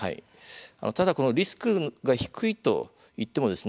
ただ、このリスクが低いといってもですね